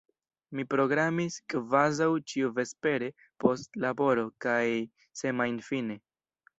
Mi programis kvazaŭ ĉiuvespere, post laboro, kaj semajnfine.